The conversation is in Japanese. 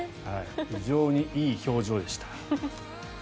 非常にいい表情でした。